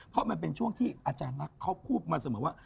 เพราะมันเป็นช่วงที่อาจารย์ลักษณ์เขาพูดมาเสมอว่า